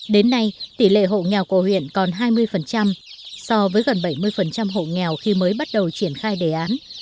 đến nay tỷ lệ hộ nghèo của huyện còn hai mươi so với gần bảy mươi hộ nghèo khi mới bắt đầu triển khai đề án